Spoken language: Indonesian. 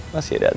masih ada antin